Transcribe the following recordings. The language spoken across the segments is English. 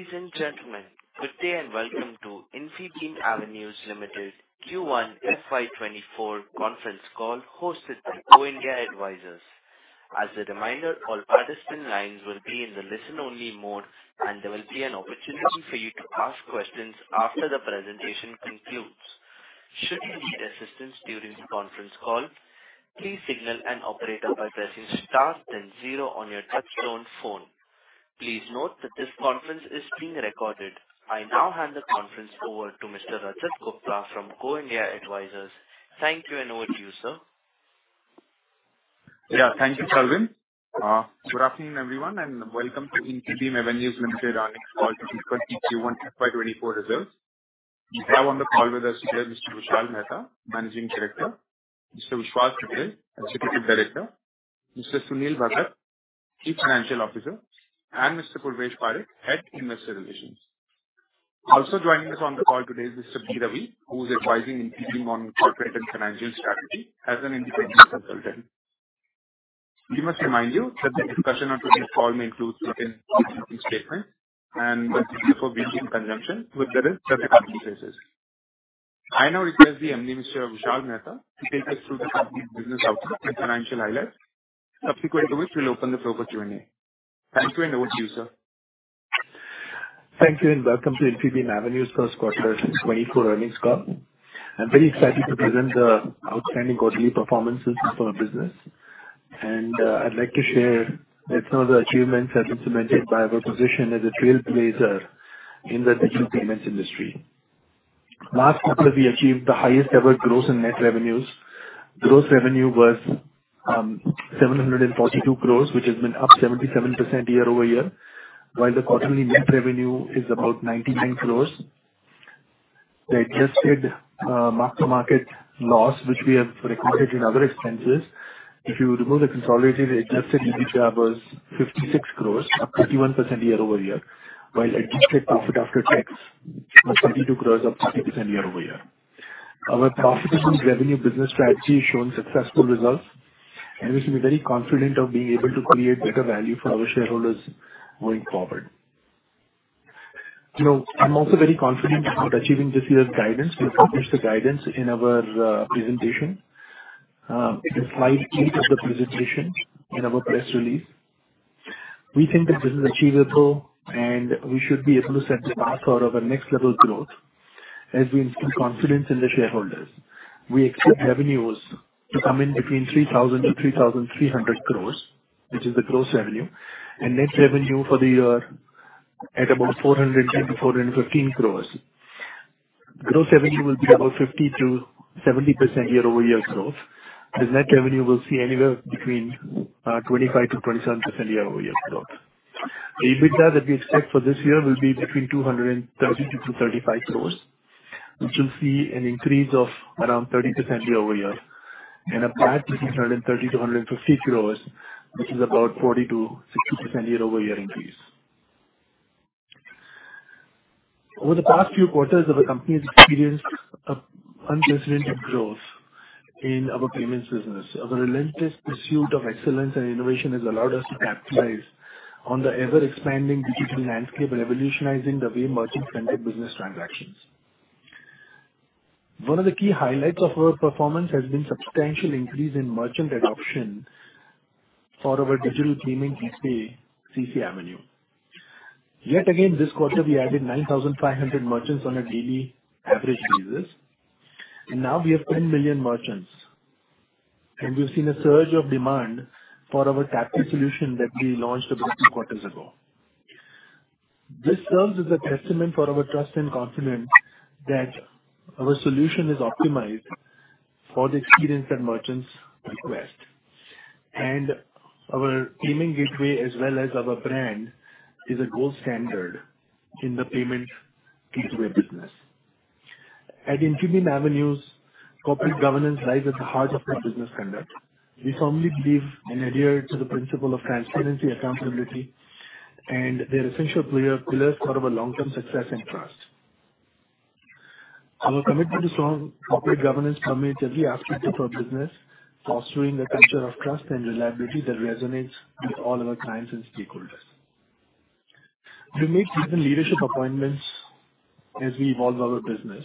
Ladies and gentlemen, good day, and welcome to Infibeam Avenues Limited Q1 FY 2024 conference call hosted by Go India Advisors. As a reminder, all participant lines will be in the listen-only mode, and there will be an opportunity for you to ask questions after the presentation concludes. Should you need assistance during the conference call, please signal an operator by pressing star then 0 on your touch-tone phone. Please note that this conference is being recorded. I now hand the conference over to Mr. Rajat Gupta from Go India Advisors. Thank you, and over to you, sir. Yeah. Thank you, Calvin. Good afternoon, everyone, and welcome to Infibeam Avenues Limited earnings call, Q1 FY 2024 results. We have on the call with us today Mr. Vishal Mehta, Managing Director, Mr. Vishwas Patel, Executive Director, Mr. Sunil Bhagat, Chief Financial Officer, and Mr. Purvesh Parekh, Head, Investor Relations. Also joining us on the call today is Mr. B. Ravi, who is advising Infibeam on corporate and financial strategy as an independent consultant. We must remind you that the discussion on today's call may include certain forward-looking statements and that is for viewing in conjunction with the other company places. I now request the Mr. Vishal Mehta to take us through the company's business outlook and financial highlights, subsequent to which we'll open the floor for Q&A. Thank you, and over to you, sir. Thank you, welcome to Infibeam Avenues first quarter 2024 earnings call. I'm very excited to present the outstanding quarterly performances of our business. I'd like to share that some of the achievements have been cemented by our position as a trailblazer in the digital payments industry. Last quarter, we achieved the highest ever gross in net revenues. Gross revenue was 742 crore, which has been up 77% year-over-year, while the quarterly net revenue is about 99 crore. The adjusted mark-to-market loss, which we have recorded in other expenses, if you remove the consolidated, adjusted EBITDA was 56 crore, up 31% year-over-year, while adjusted profit after tax was 32 crore, up 30% year-over-year. Our profit-driven revenue business strategy is showing successful results, we should be very confident of being able to create better value for our shareholders going forward. You know, I'm also very confident about achieving this year's guidance. We accomplished the guidance in our presentation in the slide 8 of the presentation in our press release. We think that this is achievable, we should be able to set the path for our next level of growth as we instill confidence in the shareholders. We expect revenues to come in between 3,000-3,300 crore, which is the gross revenue, net revenue for the year at about 450-415 crore. Gross revenue will be about 50%-70% year-over-year growth. The net revenue will see anywhere between 25%-27% year-over-year growth. The EBITDA that we expect for this year will be between 230 crore-235 crore, which will see an increase of around 30% year-over-year. EBITDA between 130 crore-150 crore, which is about 40%-60% year-over-year increase. Over the past few quarters, our company has experienced a unprecedented growth in our payments business. Our relentless pursuit of excellence and innovation has allowed us to capitalize on the ever-expanding digital landscape and revolutionizing the way merchants conduct business transactions. One of the key highlights of our performance has been substantial increase in merchant adoption for our digital payment gateway, CCAvenue. Yet again, this quarter, we added 9,500 merchants on a daily average basis, and now we have 10 million merchants. We've seen a surge of demand for our TapPay solution that we launched about 2 quarters ago. This serves as a testament for our trust and confidence that our solution is optimized for the experience that merchants request. Our payment gateway, as well as our brand, is a gold standard in the payment gateway business. At Infibeam Avenues, corporate governance lies at the heart of our business conduct. We firmly believe and adhere to the principle of transparency, accountability, and they're essential pillars for our long-term success and trust. Our commitment to strong corporate governance permeates every aspect of our business, fostering a culture of trust and reliability that resonates with all our clients and stakeholders. We make key leadership appointments as we evolve our business.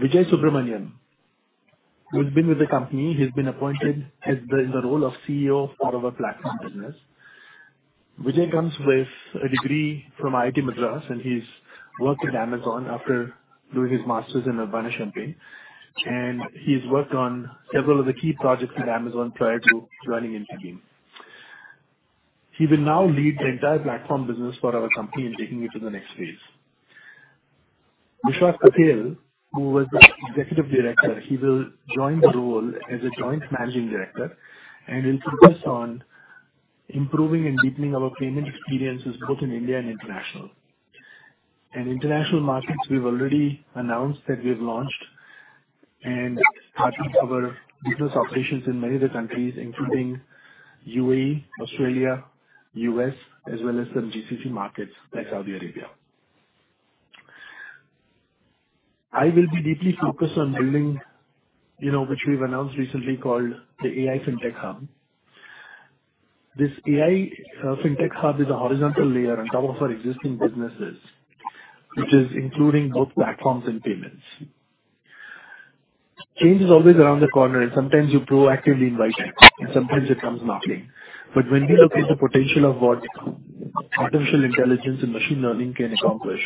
Vijay Subramanian, who's been with the company, he's been appointed as the... in the role of CEO for our platform business. Vijay comes with a degree from IIT Madras, and he's worked at Amazon after doing his master's in Urbana-Champaign. He's worked on several of the key projects at Amazon prior to joining Infibeam. He will now lead the entire platform business for our company in taking it to the next phase. Vishwas Patel, who was the Executive Director, he will join the role as a Joint Managing Director and will focus on improving and deepening our payment experiences both in India and international. In international markets, we've already announced that we've launched and started our business operations in many other countries, including UAE, Australia, US, as well as some GCC markets like Saudi Arabia. I will be deeply focused on building, you know, which we've announced recently called the AI Fintech Hub. This AI Fintech Hub is a horizontal layer on top of our existing businesses, which is including both platforms and payments. Change is always around the corner, and sometimes you proactively invite it, and sometimes it comes knocking. When we look at the potential of what artificial intelligence and machine learning can accomplish,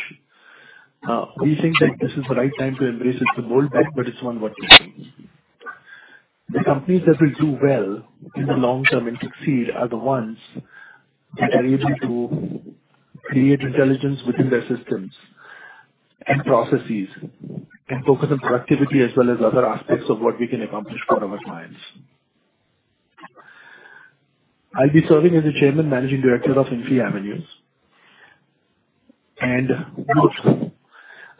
we think that this is the right time to embrace it. It's a bold bet, but it's one worth taking. The companies that will do well in the long term and succeed are the ones that are able to create intelligence within their systems and processes and focus on productivity as well as other aspects of what we can accomplish for our clients. I'll be serving as the Chairman and Managing Director of Infibeam Avenues,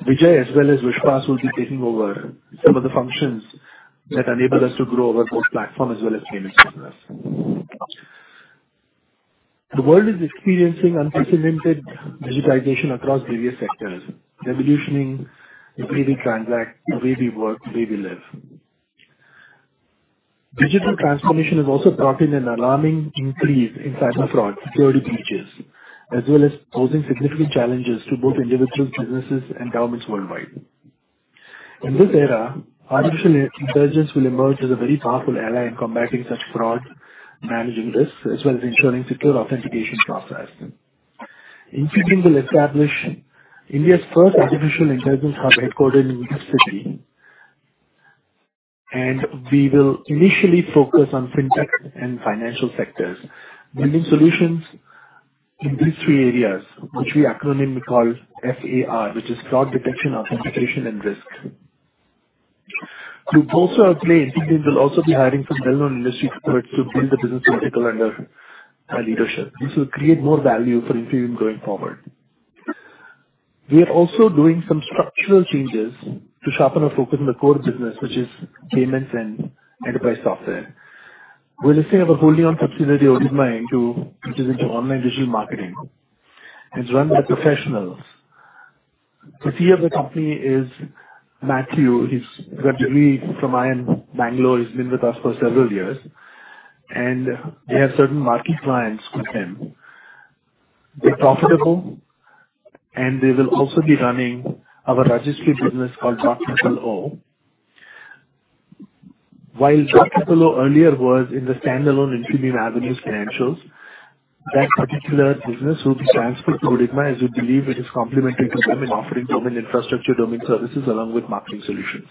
Vijay, as well as Vishwas, will be taking over some of the functions that enable us to grow our core platform as well as payment business. The world is experiencing unprecedented digitalization across various sectors, revolutionizing the way we transact, the way we work, the way we live. Digital transformation has also brought in an alarming increase in cyber fraud, security breaches, as well as posing significant challenges to both individuals, businesses, and governments worldwide. In this era, artificial intelligence will emerge as a very powerful ally in combating such fraud, managing risk, as well as ensuring secure authentication processes. Infibeam will establish India's first artificial intelligence hub, headquartered in GIFT City. We will initially focus on fintech and financial sectors, building solutions in these 3 areas, which we acronym call FAR, which is fraud detection, authentication, and risk. To bolster our play, Infibeam will also be hiring some well-known industry experts to build the business vertical under our leadership. This will create more value for Infibeam going forward. We are also doing some structural changes to sharpen our focus on the core business, which is payments and enterprise software. We're listening of a holding on subsidiary, Odigma Consultancy Solutions, which is into online digital marketing, and it's run by professionals. The CEO of the company is Matthew. He's graduated from IIM Bangalore. He's been with us for several years, and they have certain marquee clients with them. They're profitable, and they will also be running our registry business called ZNICTO While ZNICTO earlier was in the standalone Infibeam Avenues financials, that particular business will be transferred to Odigma Consultancy Solutions, as we believe it is complementary to them in offering domain infrastructure, domain services, along with marketing solutions.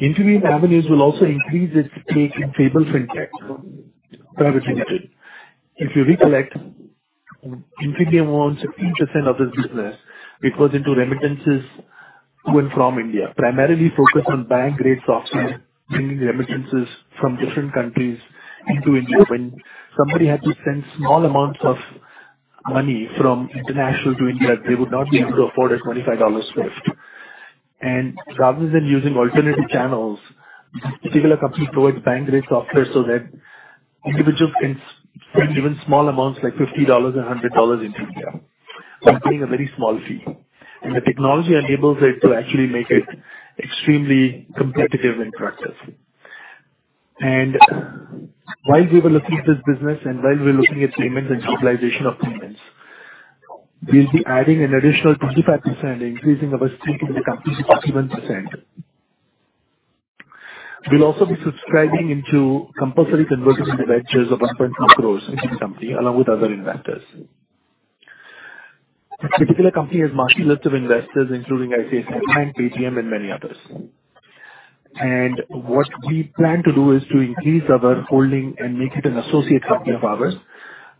Infibeam Avenues will also increase its stake in Fable Fintech. If you recollect, Infibeam Avenues owns 30% of this business. It goes into remittances to and from India, primarily focused on bank-grade software, bringing remittances from different countries into India. When somebody had to send small amounts of money from international to India, they would not be able to afford a $25 SWIFT. Rather than using alternative channels, Fable Company provides bank-grade software so that individuals can send even small amounts, like $50 and $100 into India by paying a very small fee. The technology enables it to actually make it extremely competitive and practice. While we were looking at this business and while we're looking at payments and globalization of payments, we'll be adding an additional 25%, increasing our stake in the company to 41%. We'll also be subscribing into compulsory conversion into ventures of 1.2 crore in this company, along with other investors. This particular company has a marquee list of investors, including ICICI Bank, Paytm, and many others. What we plan to do is to increase our holding and make it an associate company of ours,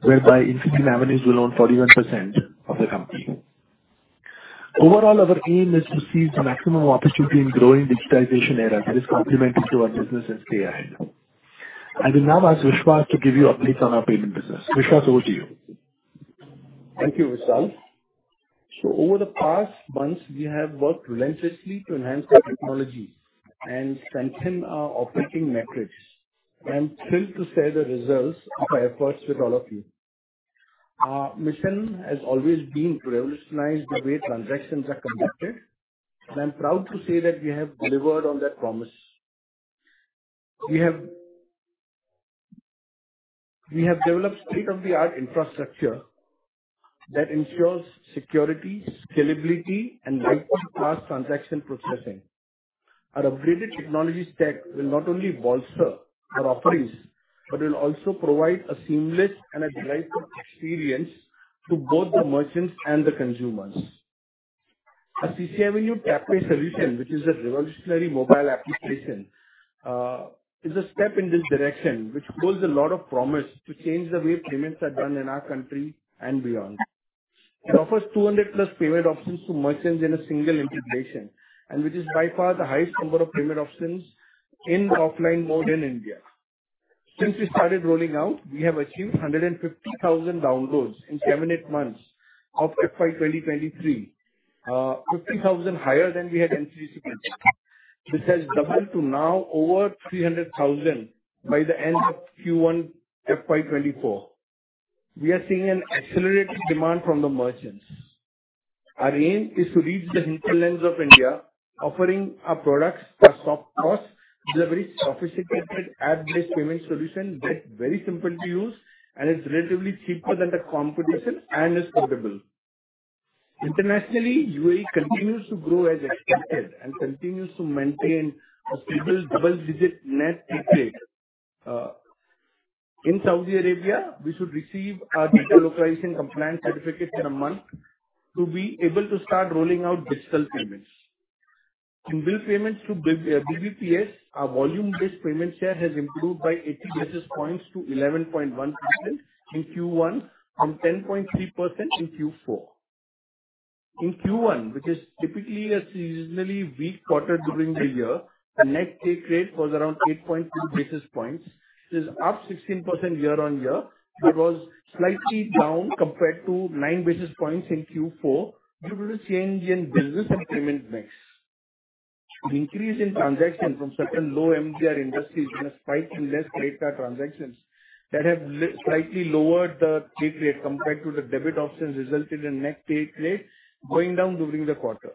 whereby Infibeam Avenues will own 41% of the company. Overall, our aim is to seize the maximum opportunity in growing digitization era that is complementary to our business and AI. I will now ask Vishwas to give you updates on our payment business. Vishwas, over to you. Thank you, Vishal. Over the past months, we have worked relentlessly to enhance our technology and strengthen our operating metrics. I am thrilled to share the results of our efforts with all of you. Our mission has always been to revolutionize the way transactions are conducted, and I'm proud to say that we have delivered on that promise. We have developed state-of-the-art infrastructure that ensures security, scalability, and lightweight class transaction processing. Our upgraded technology stack will not only bolster our offerings but will also provide a seamless and a delightful experience to both the merchants and the consumers. Our CCAvenue TapPay solution, which is a revolutionary mobile application, is a step in this direction, which holds a lot of promise to change the way payments are done in our country and beyond. It offers 200+ payment options to merchants in a single integration, which is by far the highest number of payment options in the offline mode in India. Since we started rolling out, we have achieved 150,000 downloads in 7-8 months of FY 2023, 50,000 higher than we had in previous years. This has doubled to now over 300,000 by the end of Q1 FY 2024. We are seeing an accelerated demand from the merchants. Our aim is to reach the hinterlands of India, offering our products at soft cost. These are very sophisticated AI-based payment solution that's very simple to use, and it's relatively cheaper than the competition and it's portable. Internationally, UAE continues to grow as expected and continues to maintain a stable double-digit net take rate. In Saudi Arabia, we should receive our data localization compliance certificate in a month to be able to start rolling out digital payments. In bill payments through BBPS, our volume-based payment share has improved by 80 basis points to 11.1% in Q1, from 10.3% in Q4. In Q1, which is typically a seasonally weak quarter during the year, the net take rate was around 8.2 basis points. It is up 16% year-on-year, but was slightly down compared to 9 basis points in Q4, due to the change in business and payment mix. The increase in transaction from certain low MDR industries and a spike in less credit card transactions that have slightly lowered the take rate compared to the debit options, resulted in net take rate going down during the quarter.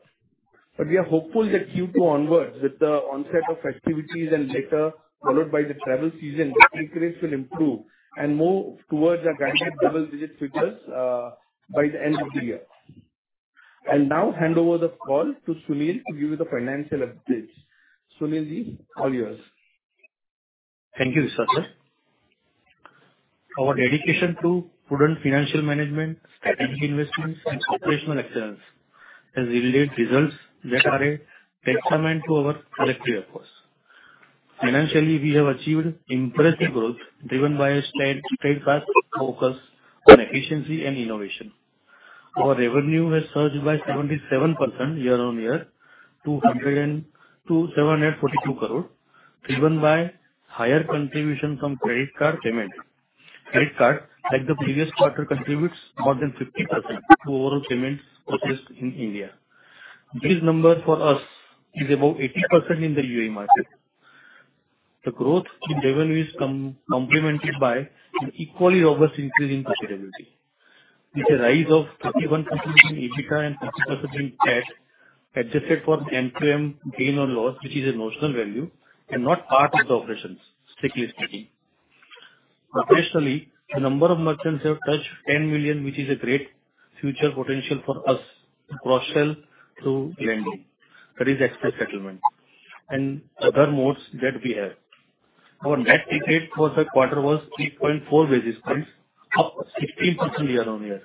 We are hopeful that Q2 onwards, with the onset of activities and later followed by the travel season, the take rate will improve and move towards our guided double-digit figures by the end of the year. I'll now hand over the call to Sunil to give you the financial updates. Sunilji, all yours. Thank you, Vishal, sir. Our dedication to prudent financial management, strategic investments, and operational excellence has yielded results that are a testament to our collective effort. Financially, we have achieved impressive growth, driven by a steadfast focus on efficiency and innovation. Our revenue has surged by 77% year-on-year to INR 102.742 crore, driven by higher contribution from credit card payment. Credit card, like the previous quarter, contributes more than 50% to overall payments processed in India. This number for us is above 80% in the UAE market. The growth in revenue is complemented by an equally robust increase in profitability, with a rise of 31% in EBITDA and 30% in PAT, adjusted for MTM gain or loss, which is a notional value and not part of the operations, strictly speaking. Professionally, the number of merchants have touched 10 million, which is a great future potential for us to cross-sell through lending, that is Express Settlements and other modes that we have. Our net take rate for the quarter was 3.4 basis points, up 16% year-on-year.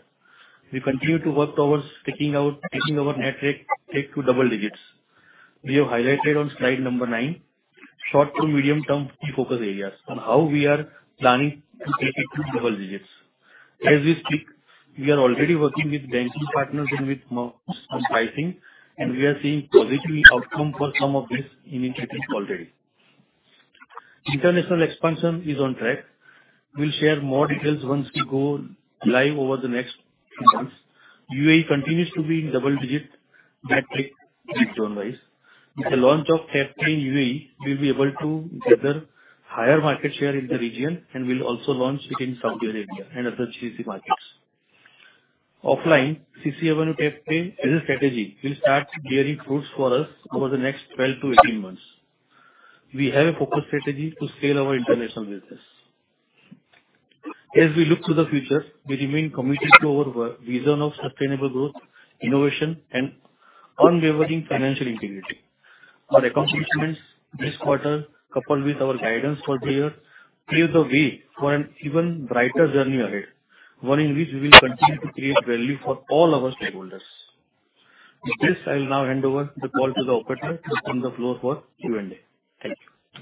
We continue to work towards taking our net rate, take to double digits. We have highlighted on slide number nine, short-to-medium-term key focus areas on how we are planning to take it to double digits. As we speak, we are already working with banking partners and with on pricing, and we are seeing positive outcome for some of this initiatives already. International expansion is on track. We'll share more details once we go live over the next few months. UAE continues to be in double digits net take rate zone-wise. With the launch of TapPay in UAE, we'll be able to gather higher market share in the region. We'll also launch it in Saudi Arabia and other GCC markets. Offline CCAvenue TapPay as a strategy will start bearing fruits for us over the next 12 to 18 months. We have a focused strategy to scale our international business. As we look to the future, we remain committed to our vision of sustainable growth, innovation, and unwavering financial integrity. Our accomplishments this quarter, coupled with our guidance for the year, clear the way for an even brighter journey ahead, one in which we will continue to create value for all our stakeholders. With this, I will now hand over the call to the operator to open the floor for Q&A. Thank you.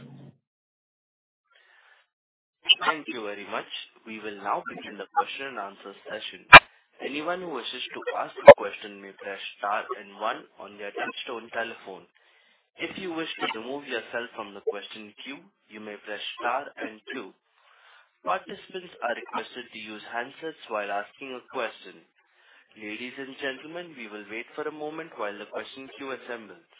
Thank you very much. We will now begin the question and answer session. Anyone who wishes to ask a question may press star 1 on their touchtone telephone. If you wish to remove yourself from the question queue, you may press star two. Participants are requested to use handsets while asking a question. Ladies and gentlemen, we will wait for a moment while the question queue assembles.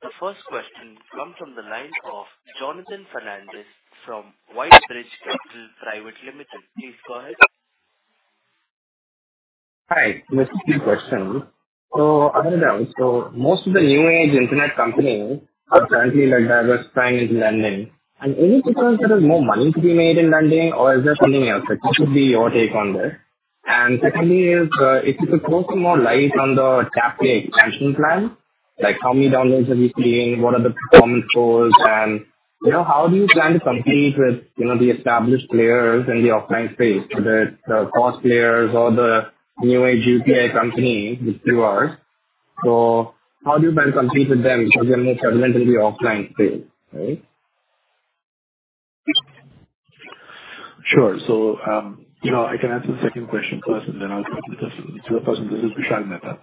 The first question comes from the line of Jonathan Fernandes from. Please go ahead. Hi, just a few questions. Other than that, most of the new age internet companies are currently, like, diversifying into lending. Any difference that there's more money to be made in lending or is there something else? Like, what would be your take on this? Secondly is, if you could throw some more light on the TapPay expansion plan, like how many downloads are you seeing? What are the performance goals? You know, how do you plan to compete with, you know, the established players in the offline space, whether it's the cost players or the new age UPI companies, which you are. How do you plan to compete with them because they're more prevalent in the offline space, right? Sure. You know, I can answer the second question first, and then I'll come to the first one. This is Vishal Mehta.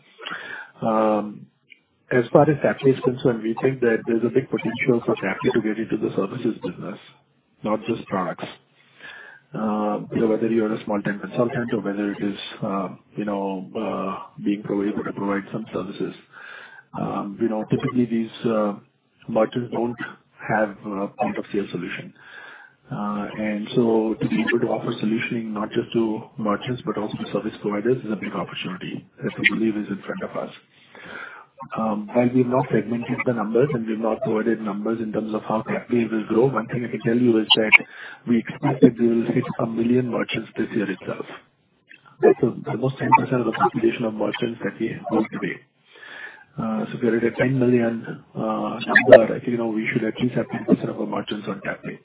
As far as TapPay is concerned, we think that there's a big potential for TapPay to get into the services business, not just products.... whether you are a small-time consultant or whether it is being able to provide some services. Typically these merchants don't have a point-of-sale solution. To be able to offer solutioning not just to merchants, but also to service providers, is a big opportunity that we believe is in front of us. While we've not segmented the numbers and we've not provided numbers in terms of how TapPay will grow, one thing I can tell you is that we expect that we will hit 1 million merchants this year itself. That's almost 10% of the population of merchants that we have today. If you're at a 10 million number, I think we should at least have 10% of our merchants on TapPay.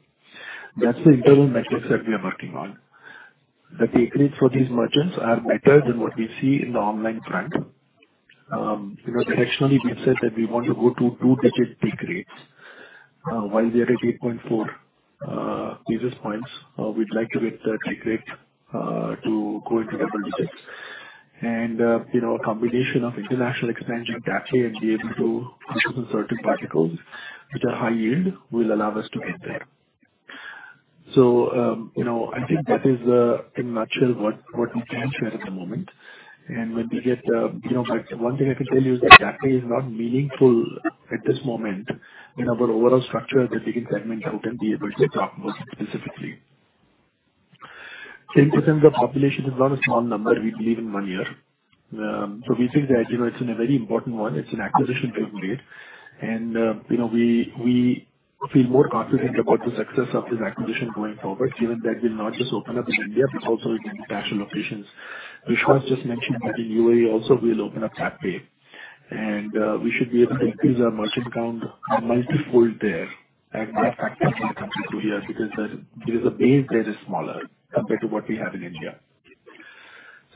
That's the internal metrics that we are working on. The take rates for these merchants are better than what we see in the online trend. You know, directionally, we have said that we want to go to two-digit take rates. While we are at 8.4 basis points, we'd like to get the take rate to go into double digits. You know, a combination of international expansion TapPay and be able to consist of certain verticals, which are high yield, will allow us to get there. You know, I think that is in a nutshell, what, what we can share at the moment. When we get... You know, but one thing I can tell you is that TapPay is not meaningful at this moment in our overall structure, that we can segment out and be able to talk about specifically. 10% of the population is not a small number, we believe, in one year. We think that, you know, it's a very important one. It's an acquisition we've made. You know, we, we feel more confident about the success of this acquisition going forward, given that we've not just opened up in India, but also in international locations. Vishwas just mentioned that in UAE also we'll open up TapPay, we should be able to increase our merchant count multifold there and that factor in countries because the, because the base there is smaller compared to what we have in India.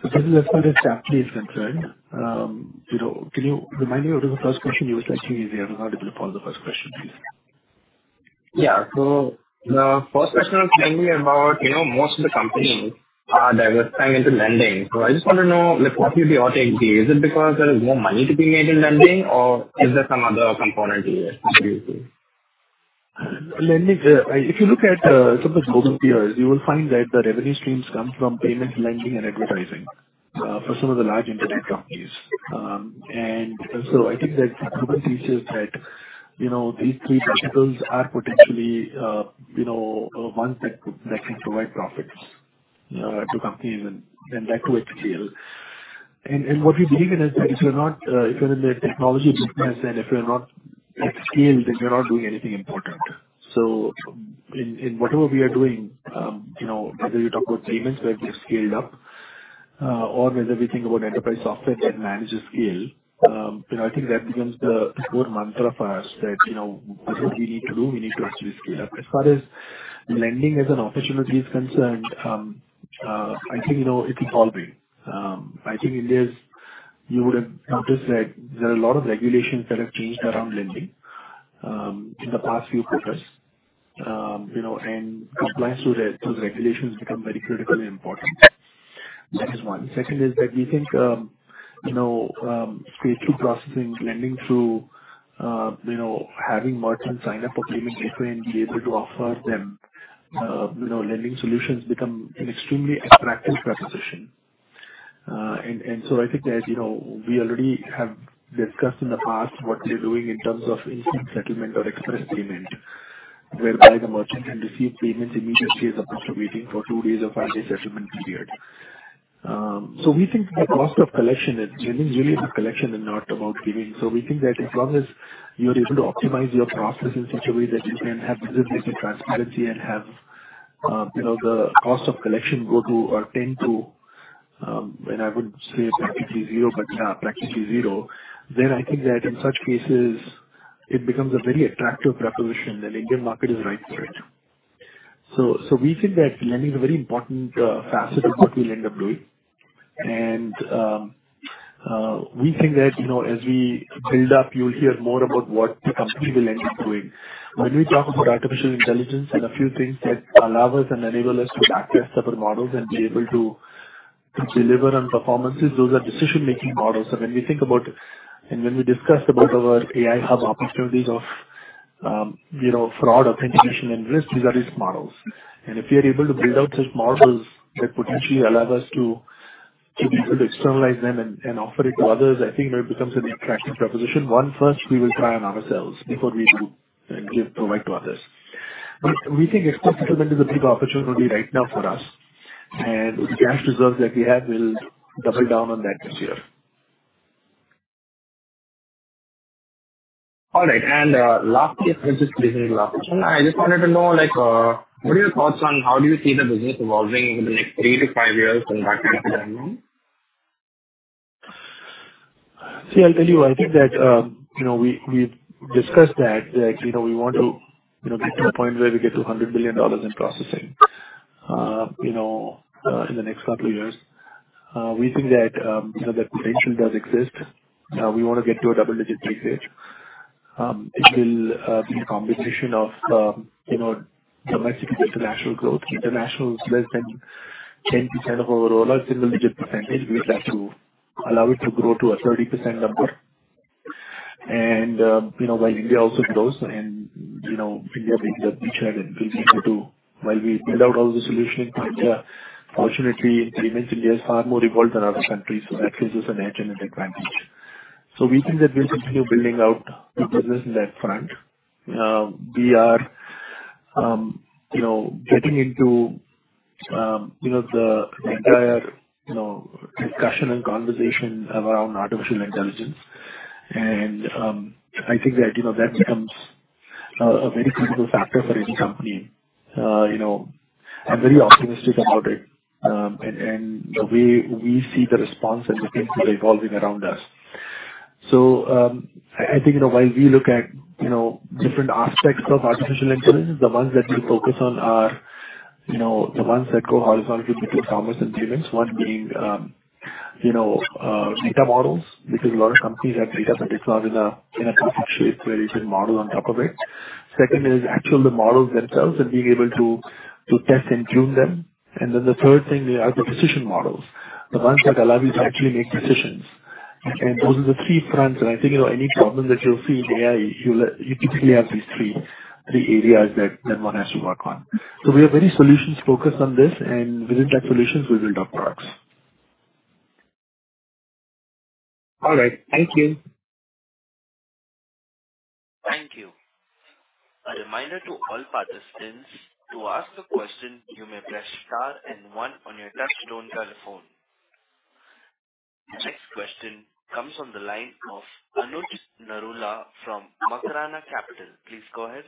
This is as far as TapPay is concerned. You know, can you remind me what was the first question you were asking me there? I was unable to follow the first question please. Yeah. The first question was mainly about, you know, most of the companies are diversifying into lending. I just want to know, like, what would be your take there? Is it because there is more money to be made in lending, or is there some other component here, how do you see? Lending, if you look at some of the global peers, you will find that the revenue streams come from payments, lending, and advertising, for some of the large internet companies. So I think that teaches that, you know, these three verticals are potentially, you know, ones that, that can provide profits to companies and, and that to uncertain. What we believe in is that if you're not, if you're in the technology business and if you're not at scale, then you're not doing anything important. So in, in whatever we are doing, you know, whether you talk about payments, where we've scaled up, or whether we think about enterprise software that manages scale, you know, I think that becomes the, the core mantra of ours, that, you know, what do we need to do? We need to actually scale up. As far as lending as an opportunity is concerned, I think, you know, it will follow. I think in this you would have noticed that there are a lot of regulations that have changed around lending in the past few quarters. You know, compliance to the, those regulations become very critically important. That is one. Second, is that we think, you know, stage 2 processing, lending through, you know, having merchants sign up for payment differently and be able to offer them, you know, lending solutions become an extremely attractive proposition. I think that, you know, we already have discussed in the past what we're doing in terms of instant settlement or express payment, whereby the merchant can receive payments immediately as opposed to waiting for two days or five days settlement period. We think the cost of collection and lending really is a collection and not about giving. We think that as long as you're able to optimize your processes in such a way that you can have visibility and transparency and have, you know, the cost of collection go to or tend to, and I wouldn't say practically zero, but practically zero, I think that in such cases it becomes a very attractive proposition, and Indian market is right for it. So we think that lending is a very important facet of what we'll end up doing. We think that, you know, as we build up, you'll hear more about what the company will end up doing. When we talk about artificial intelligence and a few things that allow us and enable us to access certain models and be able to, to deliver on performances, those are decision-making models. When we think about and when we discuss about our AI hub opportunities of, you know, fraud, authentication, and risk, these are these models. If we are able to build out such models that potentially allow us to, to be able to externalize them and, and offer it to others, I think that becomes an attractive proposition. One, first we will try on ourselves before we do and give, provide to others. We think expensive lending is a big opportunity right now for us, and with the cash reserves that we have, we'll double down on that this year. All right. Last question. This is the last question. I just wanted to know what are your thoughts on how do you see the business evolving over the next three to five years from that point to now? See, I'll tell you, I think that, you know, we, we've discussed that, that, you know, we want to, you know, get to a point where we get to $100 billion in processing, you know, in the next couple of years. We think that, you know, the potential does exist. We want to get to a double-digit take stage. It will be a combination of, you know, domestic and international growth. International is less than 10% of our overall, single-digit percentage. We'd like to allow it to grow to a 30% number. You know, while India also grows and, you know, India being the beachhead, and we'll be able to, while we build out all the solution in India, fortunately, payments India is far more evolved than other countries. That gives us an edge and an advantage. We think that we'll continue building out the business in that front. We are, you know, getting into, you know, the entire, you know, discussion and conversation around artificial intelligence. I think that, you know, that becomes a very critical factor for any company. You know, I'm very optimistic about it, and, and the way we see the response and the things that are evolving around us. I, I think, you know, while we look at, you know, different aspects of Artificial Intelligence, the ones that we focus on are, you know, the ones that go horizontally between commerce and payments. One being, you know, data models, because a lot of companies have data, but it's not in a, in a perfect shape where you can model on top of it. Second is actually the models themselves and being able to, to test and tune them. Then the third thing are the precision models, the ones that allow you to actually make decisions. Those are the three fronts. I think, you know, any problem that you'll see in AI, you typically have these three, three areas that, that one has to work on. We are very solutions-focused on this, and within that solutions, we build our products. All right, thank you. Thank you. A reminder to all participants, to ask a question, you may press star 1 on your touchtone telephone. The next question comes on the line of Anuj Narula from uncertain. Please go ahead.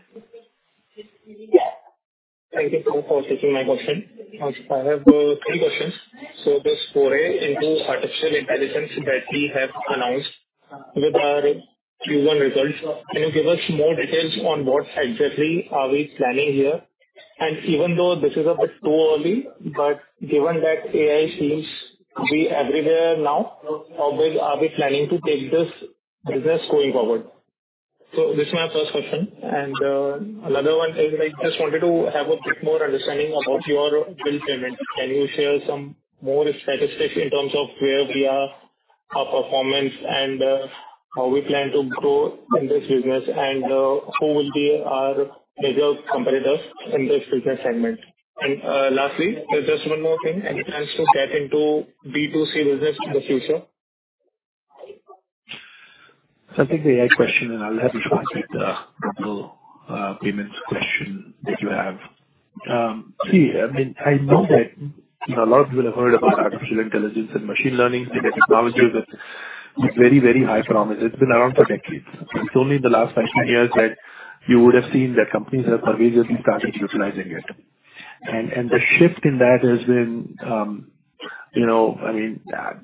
Thank you so much for taking my question. I have 3 questions. This foray into Artificial Intelligence that we have announced with our Q1 results, can you give us more details on what exactly are we planning here? Even though this is a bit too early, but given that AI seems to be everywhere now, how big are we planning to take this business going forward? This is my first question, and another one is, I just wanted to have a bit more understanding about your bill payment. Can you share some more statistics in terms of where we are, our performance, and how we plan to grow in this business? Who will be our major competitors in this business segment? Lastly, just one more thing. Any plans to get into B2C business in the future? I think the AI question, and I'll have Vishwa take the payments question that you have. See, I mean, I know that a lot of people have heard about artificial intelligence and machine learning technologies with very, very high promise. It's been around for decades. It's only in the last five, 10 years that you would have seen that companies have pervasively started utilizing it. The shift in that has been, you know, I mean,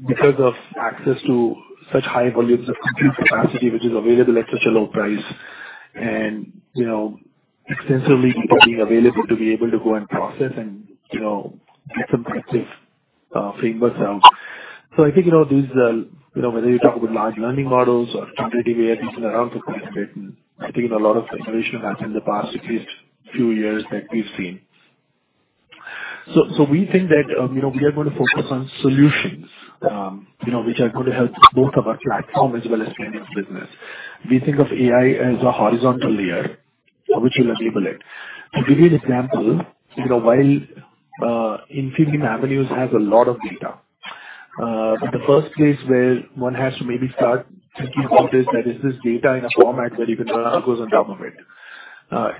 because of access to such high volumes of compute capacity, which is available at such a low price, and, you know, extensively people being available to be able to go and process and, you know, get some practice frameworks out. I think, you know, these, you know, whether you talk about large learning models or transformative areas around the planet, I think a lot of innovation happened in the past at least few years that we've seen. We think that, you know, we are going to focus on solutions, you know, which are going to help both of our platform as well as payments business. We think of AI as a horizontal layer which will enable it. To give you an example, you know, while Infibeam Avenues has a lot of data, but the first place where one has to maybe start thinking about this is, that is this data in a format where you can run algos on top of it?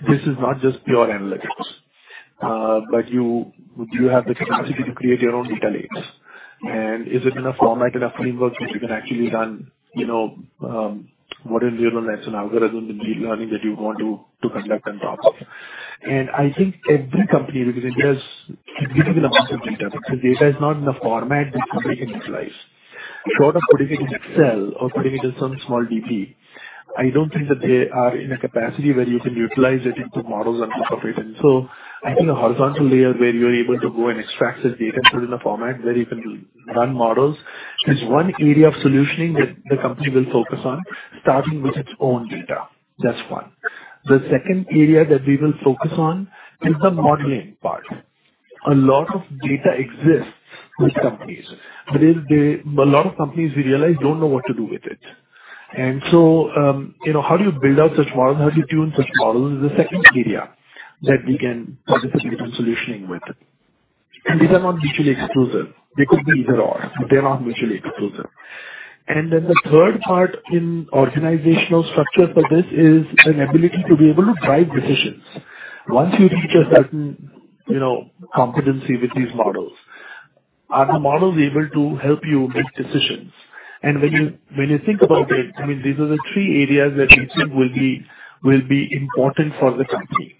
This is not just pure analytics, but you, you have the capacity to create your own data lakes. Is it in a format, in a framework, which you can actually run, you know, whatever neural nets and algorithms and deep learning that you want to, to conduct on top of it. I think every company, because giving you the amount of data, because the data is not in the format which company can utilize. Short of putting it in Excel or putting it in some small DB, I don't think that they are in a capacity where you can utilize it into models and incorporate it. I think a horizontal layer where you're able to go and extract this data and put in a format where you can run models, is one area of solutioning that the company will focus on, starting with its own data. That's one. The second area that we will focus on is the modeling part. A lot of data exists with companies, but A lot of companies, we realize, don't know what to do with it. You know, how do you build out such models? How do you tune such models? Is the second area that we can participate on solutioning with. These are not mutually exclusive. They could be either/or, but they're not mutually exclusive. The third part in organizational structure for this is an ability to be able to drive decisions. Once you reach a certain, you know, competency with these models, are the models able to help you make decisions? When you, when you think about it, I mean, these are the three areas that we think will be, will be important for the company.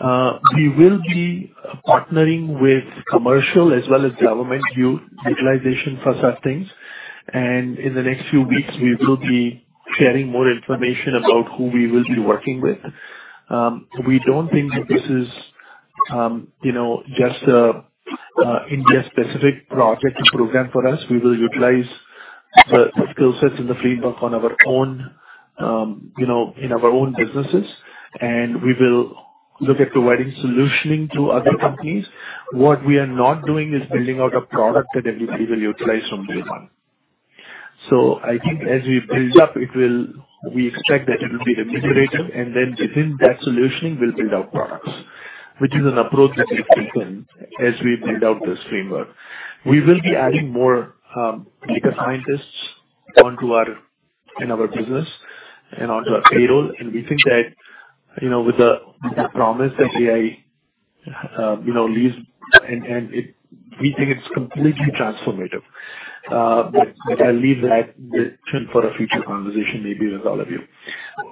We will be partnering with commercial as well as government utilization for such things, and in the next few weeks, we will be sharing more information about who we will be working with. We don't think that this is, you know, just a India-specific project and program for us. We will utilize the skill sets and the framework on our own, you know, in our own businesses.... and we will look at providing solutioning to other companies. What we are not doing is building out a product that everybody will utilize from day one. So I think as we build up, we expect that it will be integrated, and then within that solutioning, we'll build out products, which is an approach that we've taken as we build out this framework. We will be adding more data scientists onto our, in our business and onto our payroll. We think that, you know, with the, the promise that AI, you know, leaves and, and it. We think it's completely transformative. I'll leave that bit for a future conversation, maybe with all of you.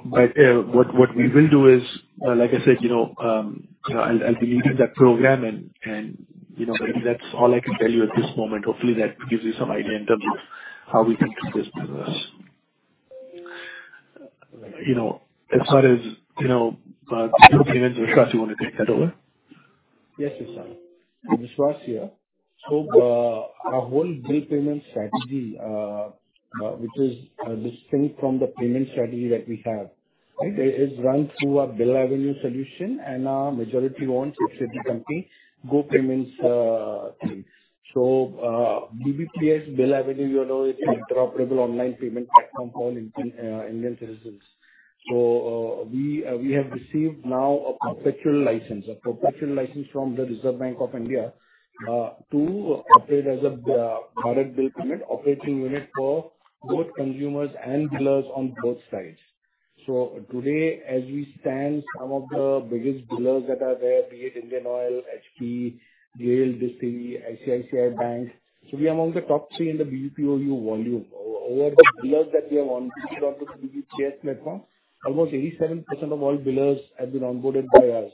What, what we will do is, like I said, you know, I'll, I'll be leading that program and, and, you know, maybe that's all I can tell you at this moment. Hopefully, that gives you some idea in terms of how we think of this business. You know, as far as you know, Go Payments, Vishwas, you want to take that over? Yes, Vishal. Vishwas here. Our whole bill payment strategy, which is distinct from the payment strategy that we have, right? It is run through our BillAvenue solution, and our majority owns a subsidiary company, Go Payments thing. BBPS BillAvenue, you know, is an interoperable online payment platform for Indian citizens. We have received now a perpetual license, a perpetual license from the Reserve Bank of India, to operate as a direct bill payment operating unit for both consumers and billers on both sides. Today, as we stand, some of the biggest billers that are there, be it Indian Oil, HP, Rail, IRCTC Over the billers that we have on board with BBPS platform, almost 87% of all billers have been onboarded by us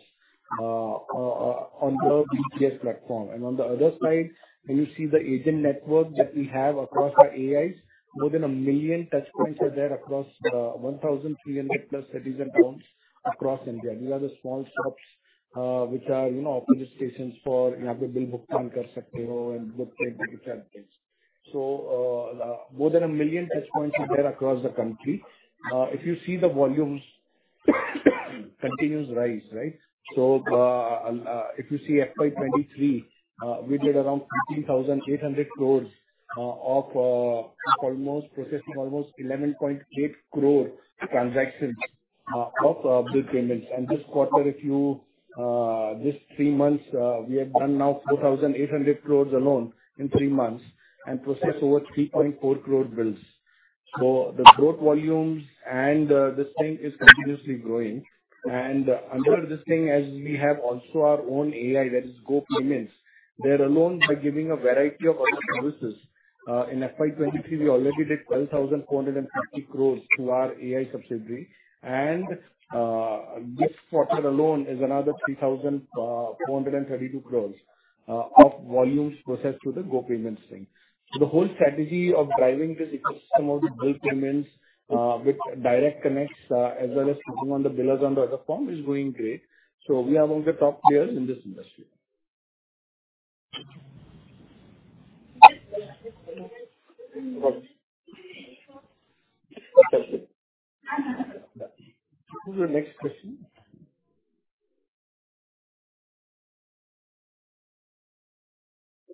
on the BBPS platform. On the other side, when you see the agent network that we have across our AIs, more than a million touchpoints are there across 1,300+ cities and towns across India. These are the small shops, which are, you know, registration for billbook and book and different things. More than a million touchpoints are there across the country. If you see the volumes, continuous rise, right? If you see FY 2023, we did around 15,800 crore of almost processing almost 11.8 crore transactions of bill payments. This quarter, if you, this three months, we have done now 4,800 crore alone in three months and process over 3.4 crore bills. The growth volumes and, this thing is continuously growing. Under this thing, as we have also our own AI, that is GoPayments. They're alone by giving a variety of other services. In FY 2023, we already did 12,450 crore through our AI subsidiary. This quarter alone is another 3,432 crore of volumes processed through the GoPayments thing. The whole strategy of driving this ecosystem of the bill payments, with direct connects, as well as sitting on the billers on the other form, is going great. We are among the top players in this industry. Who's the next question?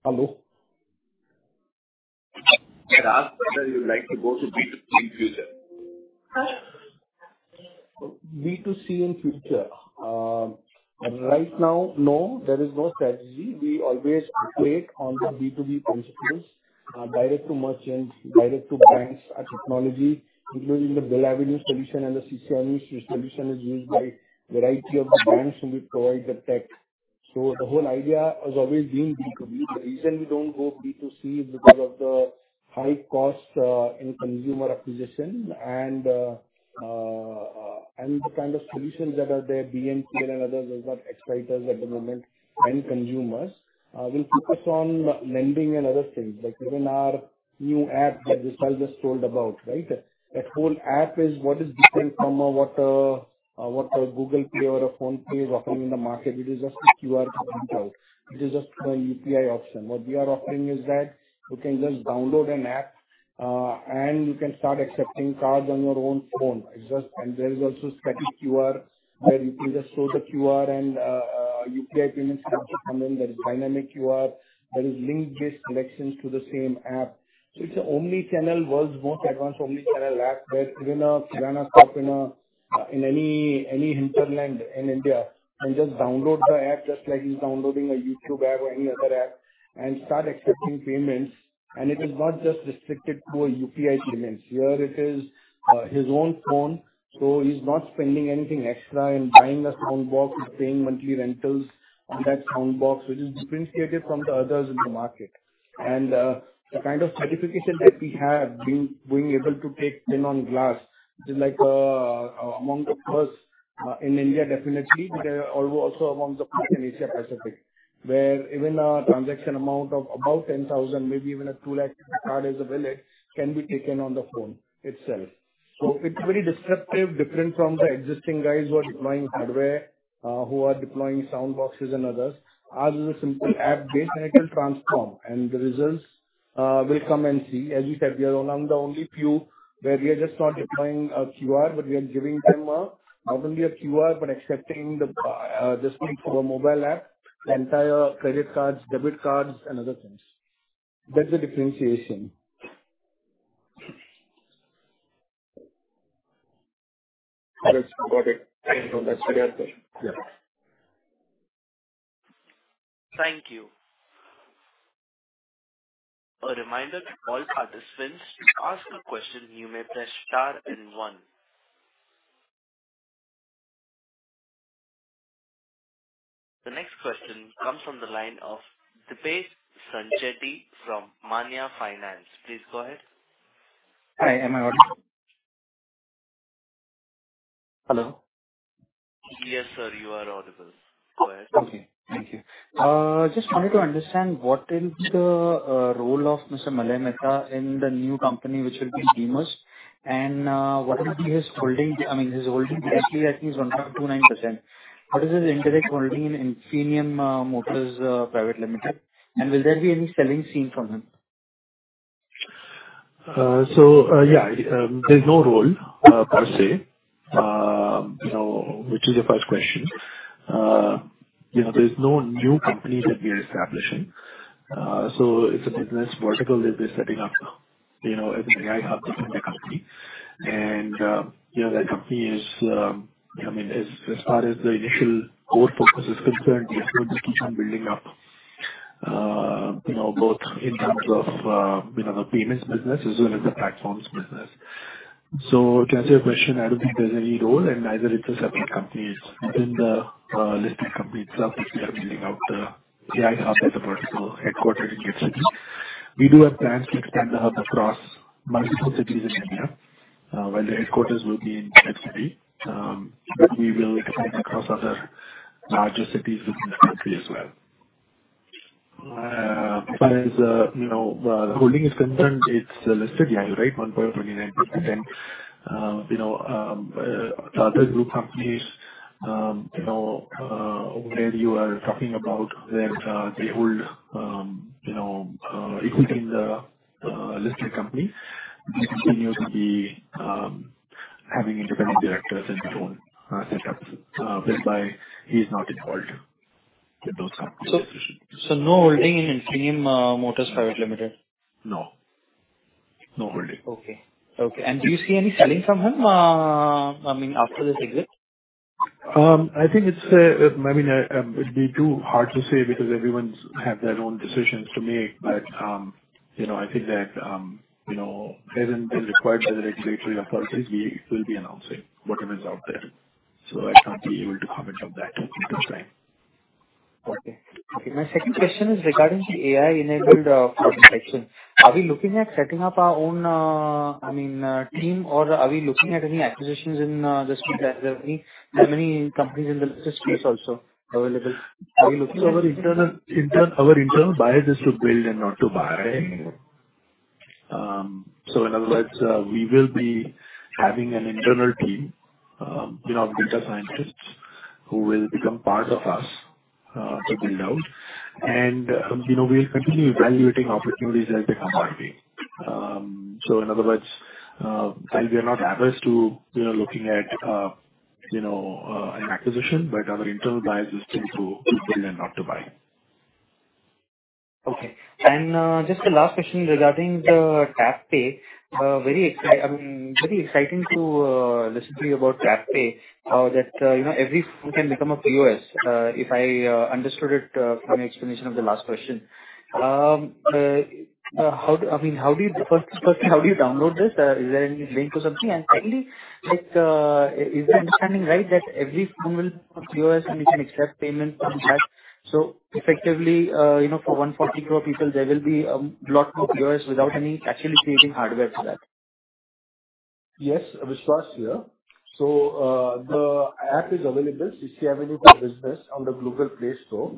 Hello. Can I ask whether you would like to go to B2C in future? B2C in future? Right now, no, there is no strategy. We always played on the B2B principles, direct to merchants, direct to banks, our technology, including the BillAvenue solution and the CCAvenue solution, is used by a variety of the banks, and we provide the tech. The whole idea has always been B2B. The reason we don't go B2C is because of the high costs, in consumer acquisition and the kind of solutions that are there, BNPL and others, those are exciters at the moment and consumers. We'll focus on lending and other things, like even our new app that Vishal just told about, right? That whole app is what is different from what a Google Pay or a PhonePe is offering in the market. It is just a QR code. It is just a UPI option. What we are offering is that you can just download an app and you can start accepting cards on your own phone. It's just. There is also static QR, where you can just show the QR and UPI payment system will come in. There is dynamic QR. There is link-based connections to the same app. It's an omni-channel, world's most advanced omni-channel app, where even a shop in any, any hinterland in India, can just download the app, just like he's downloading a YouTube app or any other app, and start accepting payments. It is not just restricted to a UPI payments. Here it is his own phone, so he's not spending anything extra in buying a soundbox and paying monthly rentals on that soundbox, which is differentiated from the others in the market. The kind of certification that we have been being able to take Pin-On-Glass, which is like among the first in India, definitely, but also among the first in Asia Pacific, where even a transaction amount of about 10,000, maybe even an 200,000 card is available, can be taken on the phone itself. It's very disruptive, different from the existing guys who are deploying hardware, who are deploying soundboxes and others. Ours is a simple app-based, and it will transform, and the results- will come and see. As you said, we are among the only few where we are just not deploying a QR, but we are giving them not only a QR, but accepting the just through our mobile app, the entire credit cards, debit cards, and other things. That's the differentiation. Got it. Thank you. That's a clear question. Yeah. Thank you. A reminder to all participants, to ask a question, you may press star and one. The next question comes from the line of Deepesh Sancheti from Manya Finance. Please go ahead. Hi, am I audible? Hello? Yes, sir, you are audible. Go ahead. Okay. Thank you. Just wanted to understand, what is the role of Mr. Malav Mehta in the new company, which will be payments? What will be his holding, I mean, his holding actually, at least 1.29%. What is his indirect holding in uncertain? Will there be any selling seen from him? Yeah, there's no role per se. You know, which is your first question. You know, there's no new company that we are establishing. It's a business vertical that we're setting up now, you know, as an AI hub within the company. You know, that company is, I mean, as, as far as the initial core focus is concerned, we're just keep on building up, you know, both in terms of, you know, the payments business as well as the platforms business. To answer your question, I don't think there's any role, and neither it's a separate company. It's within the listed company itself, which we are building out the AI hub as a vertical headquartered in your city. We do have plans to expand the hub across multiple cities in India, while the headquarters will be in city. We will expand across other larger cities within the country as well. As, you know, the holding is concerned, it's listed. Yeah, you're right, 1.29%. You know, the other group companies, you know, where you are talking about that, they hold, you know, including the listed company, we continue to be having independent directors in our own setups, whereby he's not involved with those companies. So no holding in uncertain? No. No holding. Okay. Okay, do you see any selling from him, I mean, after this exit? I think it's, I mean, it'd be too hard to say because everyone's have their own decisions to make. You know, I think that, you know, as and when required by the regulatory authorities, we will be announcing whatever is out there. I can't be able to comment on that at this time. Okay. My second question is regarding the AI-enabled section. Are we looking at setting up our own, I mean, team, or are we looking at any acquisitions in this new category? There are many companies in the space also available. Are we looking- Our internal, internal, our internal bias is to build and not to buy. In other words, we will be having an internal team, you know, of data scientists who will become part of us to build out. You know, we're continually evaluating opportunities as they come our way. In other words, while we are not averse to, you know, looking at, you know, an acquisition, but our internal bias is still to, to build and not to buy. Okay. Just a last question regarding the TapPay. Very exciting to listen to you about TapPay. That, you know, every phone can become a POS, if I understood it from your explanation of the last question. How do, I mean, how do you download this? Is there any link or something? Secondly, like, is my understanding right, that every phone will become POS, and you can accept payment from that? Effectively, you know, for 140 crore people, there will be lot more POS without any actually creating hardware for that. Yes, Vishwas here. The app is available, CCAvenue For Business on the Google Play Store.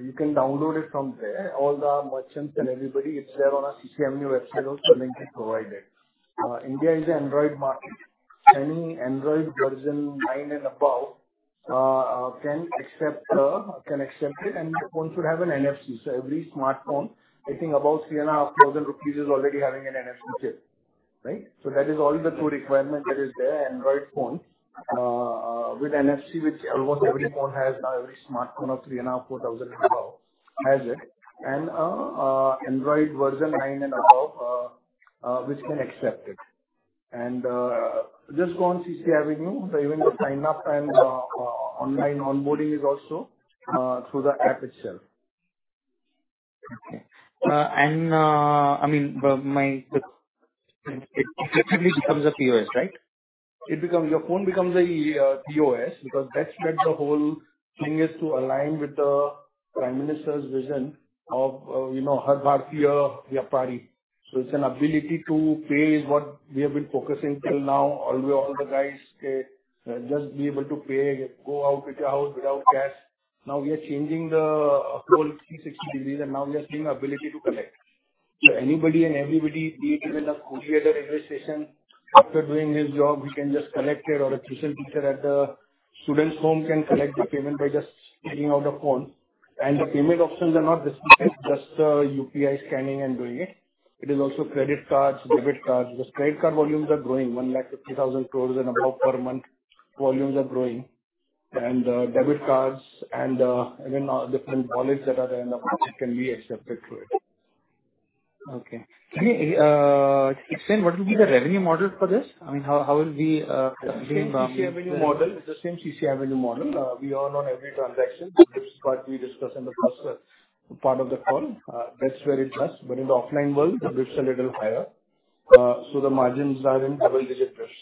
You can download it from there. All the merchants and everybody, it's there on our CCAvenue website also, link is provided. India is an Android market. Any Android version nine and above can accept it, and the phone should have an NFC. Every smartphone, I think above 3,500 rupees, is already having an NFC chip. Right? That is all the two requirement that is there, Android phone with NFC, which almost every phone has. Now, every smartphone of 3,500-4,000 and above has it. Android version nine and above which can accept it. Just go on CCAvenue. Even the sign up and online onboarding is also through the app itself. Okay. I mean, my, it, it effectively becomes a POS, right? It becomes. Your phone becomes a POS, because that's where the whole thing is to align with the Prime Minister's vision of, you know, Har Dukandar Digital. It's an ability to pay is what we have been focusing till now. All the, all the guys say, just be able to pay, go out with your house without cash. Now we are changing the whole 360 degrees, and now we are seeing the ability to collect. Anybody and everybody, be it even a co-creator registration, after doing his job, we can just collect it, or a tuition teacher at the student's home can collect the payment by just taking out a phone. The payment options are not just UPI scanning and doing it. It is also credit cards, debit cards. The credit card volumes are growing 150,000 crore and above per month. Volumes are growing. Debit cards and even different wallets that are there in the market can be accepted through it. Okay. Can you explain what will be the revenue model for this? I mean, how will be... The same CCI revenue model. The same CCI revenue model. We earn on every transaction. That's what we discussed in the first part of the call. That's where it does. In the offline world, the rates are little higher. The margins are in double-digit rates.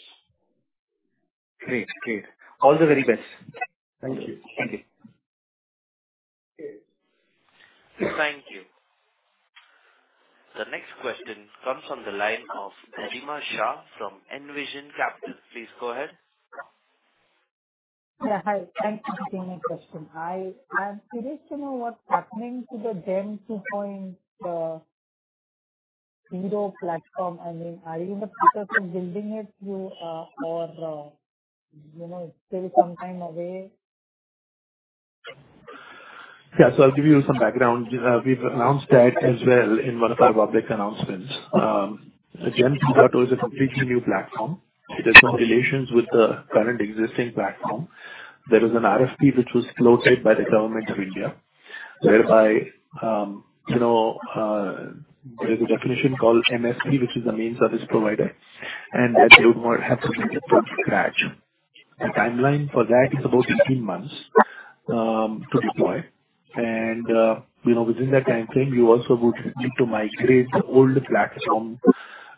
Great. Great. All the very best. Thank you. Thank you. Thank you. The next question comes from the line of Rima Shah from Envision Capital. Please go ahead. Yeah, hi. Thank you for taking my question. I'm curious to know what's happening to the Gen 2.0 platform. I mean, are you in the process of building it through, or, you know, still some time away? Yeah. I'll give you some background. We've announced that as well in one of our public announcements. Gen 2.0 is a completely new platform. It has no relations with the current existing platform. There is an RFP which was floated by the government of India, whereby, you know, there is a definition called MSP, which is a main service provider, and they would want to have something from scratch. The timeline for that is about 18 months to deploy. You know, within that timeframe, you also would need to migrate the old platform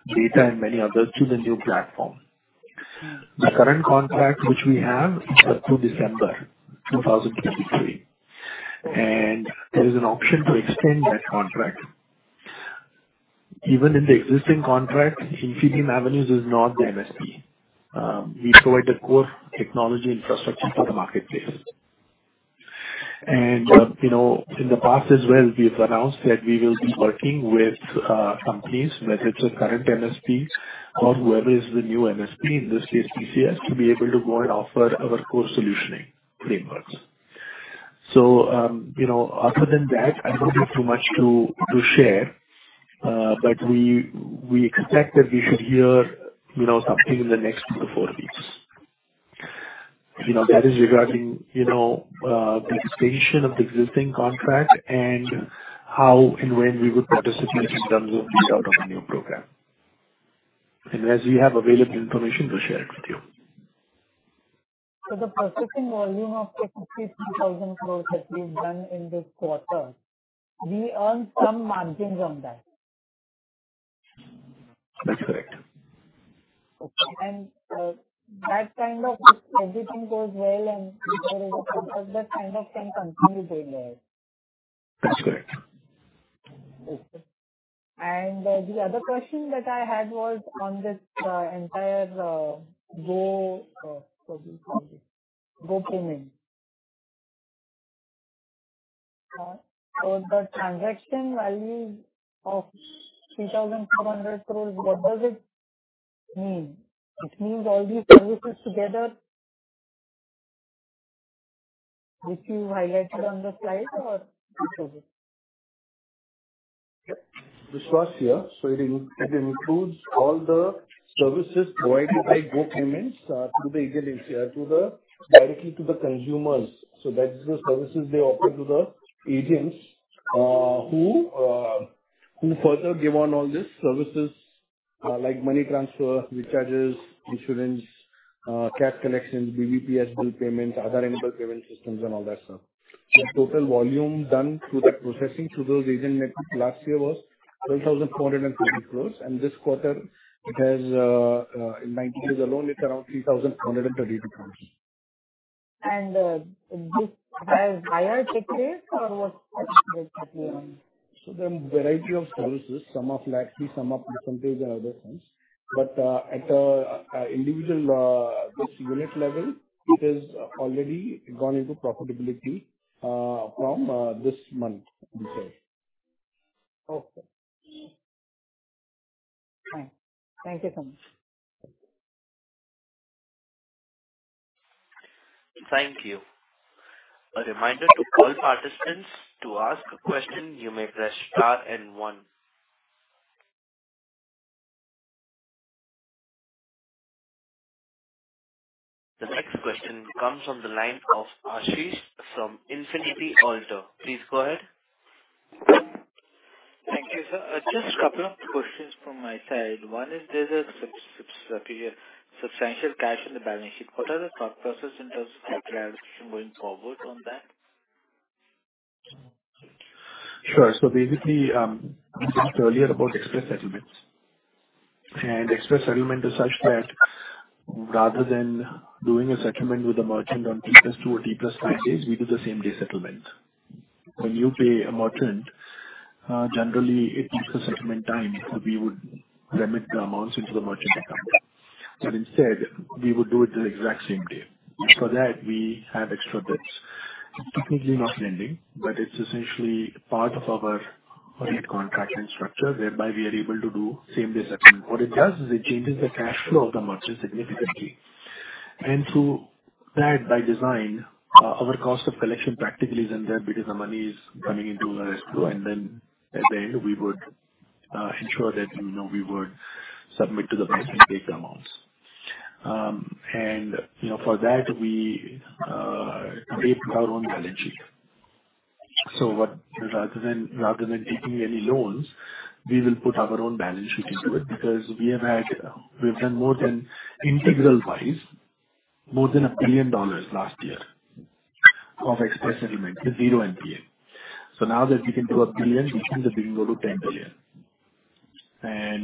data and many others to the new platform. The current contract, which we have, is up to December 2023, and there is an option to extend that contract. Even in the existing contract, Infibeam Avenues is not the MSP. We provide the core technology infrastructure for the marketplace. You know, in the past as well, we've announced that we will be working with companies, whether it's a current MSP or whoever is the new MSP, in this case, TCS, to be able to go and offer our core solutioning frameworks. You know, other than that, I don't have too much to share. But we, we expect that we should hear, you know, something in the next two-four weeks. You know, that is regarding, you know, the extension of the existing contract and how and when we would participate in terms of this out of a new program. As we have available information, we'll share it with you. The processing volume of the 53,000 crore that we've done in this quarter, we earn some margins on that? That's correct. Okay. that kind of, if everything goes well and there is a process, that kind of can continue then? That's correct. Okay. The other question that I had was on this entire go, what you call it, Go Payments. The transaction value of 3,400 crore, what does it mean? It means all these services together, which you highlighted on the slide, or which of it? This was here, it includes all the services provided by Go Payments to the agent, to the directly to the consumers. That's the services they offer to the agents who who further give on all these services like money transfer, recharges, insurance, cash collections, BBPS bill payments, other enabled payment systems, and all that stuff. The total volume done through that processing to those agent networks last year was INR 12,430 crore, and this quarter it has in 9 days alone, it's around 3,430 crore. This has higher tickets or what? There are a variety of services, some are lakh, some are some pages and other things. At the individual this unit level, it has already gone into profitability from this month onwards. Okay. Fine. Thank you so much. Thank you. A reminder to all participants, to ask a question, you may press star and one. The next question comes from the line of Ashish from Infinity Alternatives. Please go ahead. Thank you, sir. Just a couple of questions from my side. One is, there's a substantial cash in the balance sheet. What are the thought process in terms of prioritization going forward on that? Sure. Basically, we talked earlier about Express Settlement. Express Settlement is such that rather than doing a settlement with a merchant on T+2 or T+5 days, we do the same-day settlement. When you pay a merchant, generally it takes a settlement time, so we would remit the amounts into the merchant account. Instead, we would do it the exact same day. For that, we have extra bits technically not lending, but it's essentially part of our credit contracting structure, whereby we are able to do same-day settlement. What it does is it changes the cash flow of the merchants significantly. To that, by design, our cost of collection practically is in there because the money is coming into our escrow, and then at the end, we would ensure that, you know, we would submit to the bank and pay the amounts. You know, for that we create our own balance sheet. Rather than, rather than taking any loans, we will put our own balance sheet into it because we've done more than integral-wise, more than $1 billion last year of Express Settlements, zero NPA. Now that we can do $1 billion, we think that we can go to $10 billion.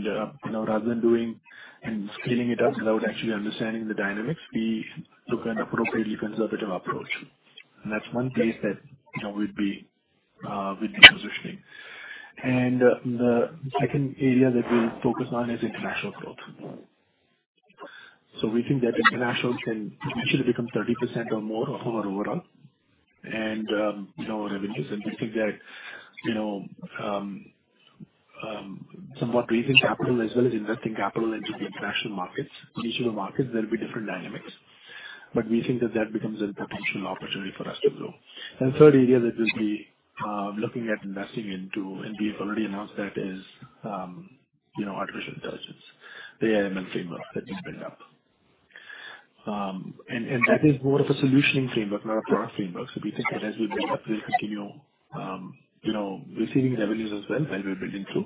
You know, rather than doing and scaling it up without actually understanding the dynamics, we took an appropriately conservative approach. That's one place that, you know, we'd be positioning. The second area that we'll focus on is international growth. We think that international can potentially become 30% or more of our overall and, you know, our revenues. We think that, you know, somewhat raising capital as well as investing capital into the international markets. In each of the markets, there will be different dynamics, but we think that that becomes a potential opportunity for us to grow. Third area that we'll be looking at investing into, and we've already announced that is, you know, Artificial Intelligence, the AI framework that we've built up. That is more of a solutioning framework, not a product framework. We think that as we build up, we'll continue, you know, receiving revenues as well, while we're building through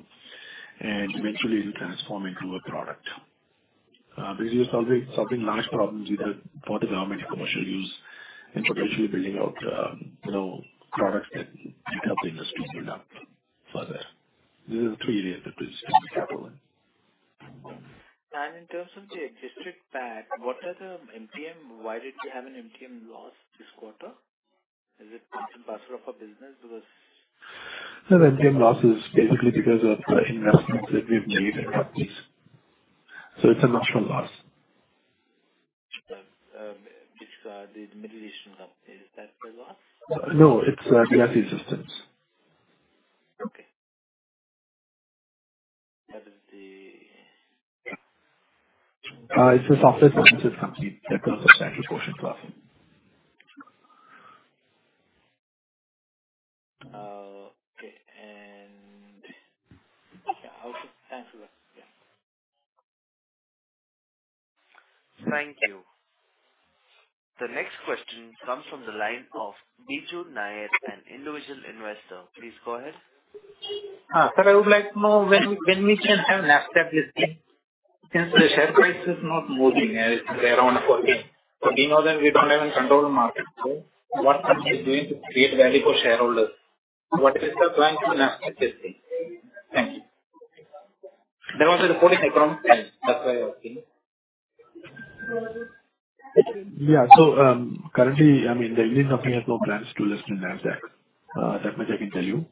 and eventually it will transform into a product. This is solving, solving large problems either for the government or commercial use and potentially building out, you know, products that would help the industry build up further. These are the three areas that we're investing capital in. In terms of the adjusted PAT, what are the NTM? Why did you have an NTM loss this quarter? Is it because of business? No, the NTM loss is basically because of the investments that we've made in companies. It's a natural loss. This, the mediation loss, is that the loss? No, it's, the IT systems. Okay. That is the... It's the software license of the company that does a substantial portion to us. Oh, okay. Yeah. Okay, thanks a lot. Yeah. Thank you. The next question comes from the line of Biju Nair, an individual investor. Please go ahead. Sir, I would like to know when, when we should have NASDAQ listing, since the share price is not moving. It's around 14. We know that we don't have any control on the market. What company is doing to create value for shareholders? What is the plan to NASDAQ listing? Thank you. There was a 40 micro cap that were working. Yeah. Currently, I mean, the company has no plans to list in NASDAQ. That much I can tell you.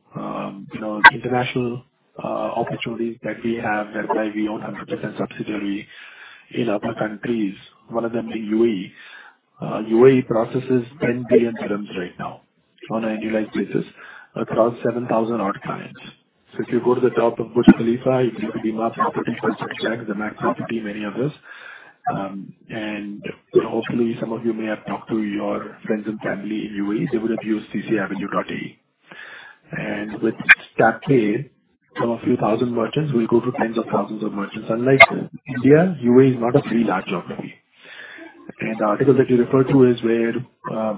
You know, international opportunities that we have, that's why we own 100% subsidiary in other countries, one of them in UAE. UAE processes 10 billion dirhams right now on an annualized basis across 7,000 odd clients. If you go to the top of Burj Khalifa, you go to the mall, potential to check the max, probably many of us. Hopefully, some of you may have talked to your friends and family in UAE. They would have used CCAvenue.ae. With Stack, from a few thousand merchants, we go to tens of thousands of merchants. Unlike India, UAE is not a very large geography. The article that you referred to is where,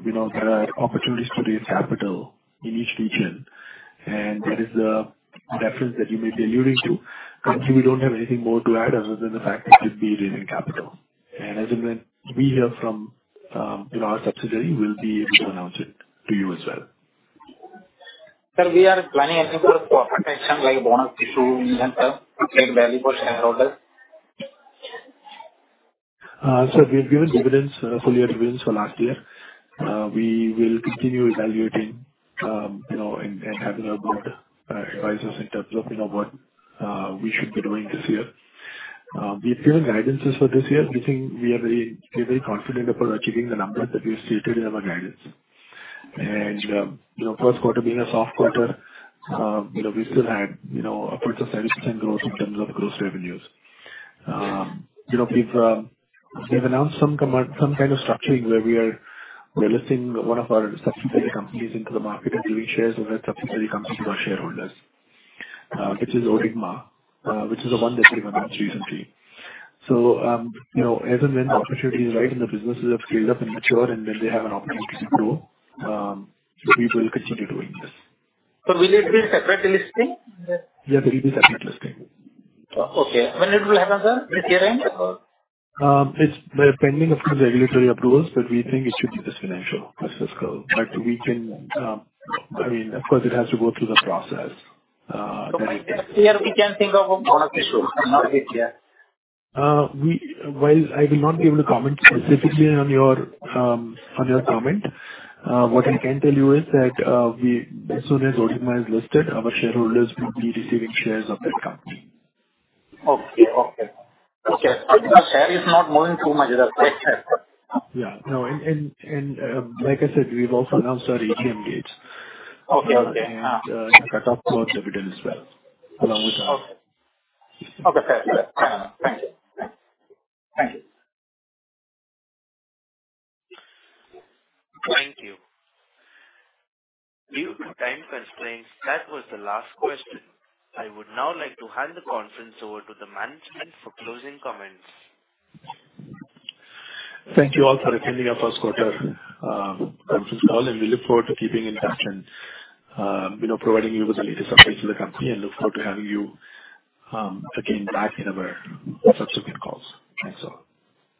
you know, there are opportunities to raise capital in each region, and that is the reference that you may be alluding to. Actually, we don't have anything more to add other than the fact that we could be raising capital. As and when we hear from, you know, our subsidiary, we'll be able to announce it to you as well. Sir, we are planning anything for protection, like bonus issue and create value for shareholders? Sir, we've given dividends, full year dividends for last year. We will continue evaluating, you know, and, and having our board advise us in terms of, you know, what we should be doing this year. We've given guidances for this year. We think we are very, we're very confident about achieving the numbers that we stated in our guidance. You know, first quarter being a soft quarter, you know, we still had, you know, upwards of 30% growth in terms of gross revenues. You know, we've announced some kind of structuring where we are, we're listing one of our subsidiary companies into the market and giving shares of that subsidiary company to our shareholders, which is Odigma, which is the one that we announced recently. You know, as and when the opportunity is right and the businesses have scaled up and matured, and then they have an opportunity to grow, we will continue doing this. Will it be a separate listing? Yeah, there will be separate listing. Okay. When it will happen, sir? This year end or? It's pending, of course, regulatory approvals, but we think it should be this financial or fiscal. We can, I mean, of course, it has to go through the process. This year, we can think of a bonus issue. While I will not be able to comment specifically on your, on your comment, what I can tell you is that we, as soon as Odigma is listed, our shareholders will be receiving shares of that company. Okay. Okay. Okay. Share is not moving too much. Yeah. No, like I said, we've also announced our AGM date. Okay. Okay. Cut off for dividend as well, along with that. Okay. Okay, fair. Thank you. Thank you. Thank you. Due to time constraints, that was the last question. I would now like to hand the conference over to the management for closing comments. Thank you all for attending our first quarter conference call, and we look forward to keeping in touch and, you know, providing you with the latest updates to the company, and look forward to having you again back in our subsequent calls. Thanks, all.